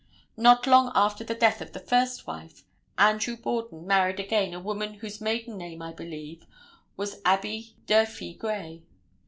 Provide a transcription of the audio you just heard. Not long after the death of the first wife Andrew Borden married again a woman whose maiden name, I believe, was Abby Durfee Gray.